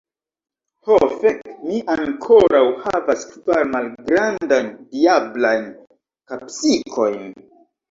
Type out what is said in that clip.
Ho fek, mi ankoraŭ havas kvar malgrandajn diablajn kapsikojn.